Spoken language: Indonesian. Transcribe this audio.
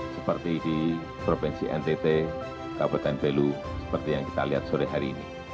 seperti di provinsi ntt kabupaten belu seperti yang kita lihat sore hari ini